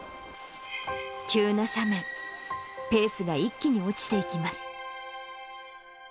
急な斜面、ペースが一気に落ちていきます。